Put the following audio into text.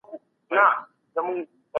هغه وويل چي پانګونه زياته ده.